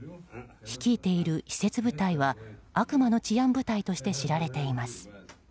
率いている私設部隊は悪魔の治安部隊として知られています。